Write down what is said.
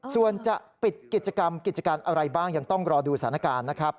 ส่วนจะปิดกิจกรรมกิจการอะไรบ้างยังต้องรอดูสถานการณ์นะครับ